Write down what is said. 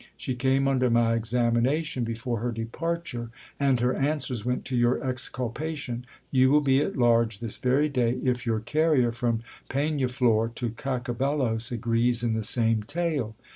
She came under my examination before her departure, and her answers went to your exculpation. You will be at large this very day if your carrier from Pegfiaflor to Cacabelos agrees in the same tale.